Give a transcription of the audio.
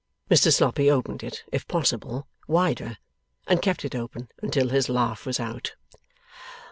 Mr Sloppy opened it, if possible, wider, and kept it open until his laugh was out.